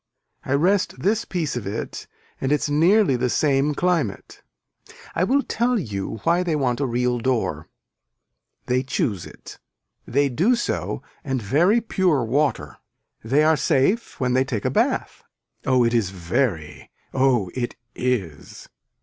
I rest this piece of it and it's nearly the same climate. I will tell you why they want a real door. They choose it. They do so and very pure water. They are safe when they take a bath. Oh it is very. Oh it is.